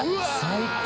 最高！